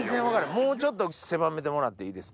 もうちょっと狭めてもらっていいですか？